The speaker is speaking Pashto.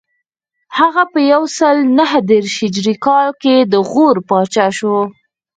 هغه په یو سل نهه دېرش هجري کال کې د غور پاچا شو